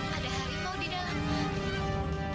ada harimau di dalam